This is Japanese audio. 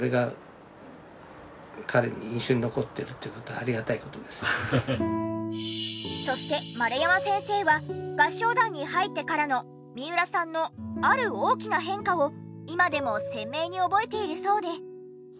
それが彼にそして丸山先生は合唱団に入ってからの三浦さんのある大きな変化を今でも鮮明に覚えているそうで。